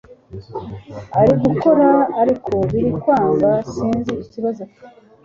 arigukora ariko birikwanga sinzi ikibazo afite